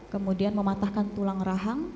kemudian mematahkan tulang rahang